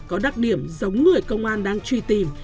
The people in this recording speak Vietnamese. có đặc điểm giống người công an đang truy tìm